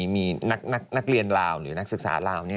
มีนักเรียนลาวหรือนักศึกษาลาว